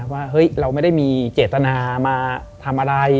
ว่าเฮ้ยเราไม่ได้มีเจตนามาทำอะไร